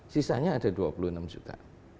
sisanya ada dua puluh enam juta